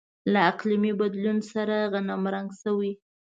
له اقلیمي بدلون سره غنمرنګ شوي.